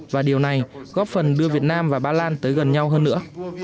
và điều này góp phần đưa việt nam và ba lan tới gần nhau hơn nữa